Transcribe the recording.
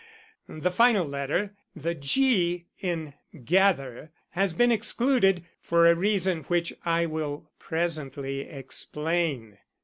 The final letter the 'G' in 'gather' has been excluded, for a reason which I will presently explain."